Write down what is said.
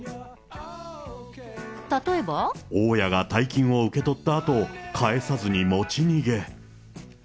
例えば？大家が大金を受け取ったあと、返さずに持ち逃げ。